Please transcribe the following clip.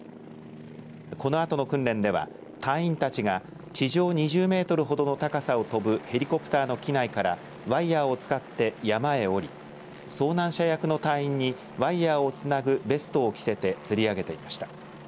このあとの訓練では隊員たちが地上２０メートルほどの高さを飛ぶヘリコプターの機内からワイヤを使って山へ下り遭難者役の隊員にワイヤーをつなぐベストを着せてつり上げていました。